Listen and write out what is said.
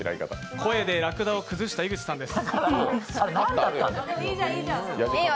声でラクダを崩した井口さんです。